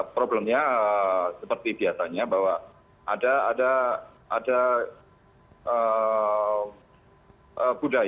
problemnya seperti biasanya bahwa ada ada ada